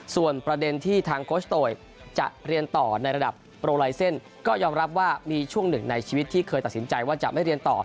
ส่วนประเด็นที่ทางโคชโตยจะเรียนต่อในระดับโปรไลเซ็นต์ก็ยอมรับว่ามีช่วงหนึ่งในชีวิตที่เคยตัดสินใจว่าจะไม่เรียนต่อ